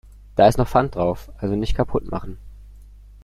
Da ist noch Pfand drauf, also nicht kaputt machen.